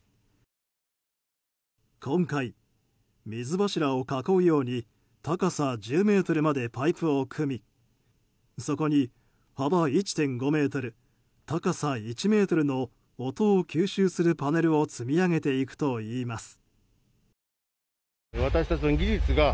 今回、水柱を囲うように高さ１０ｍまでパイプを組みそこに幅１．５ｍ、高さ１ｍの音を吸収するパネルを積み上げていくといいます。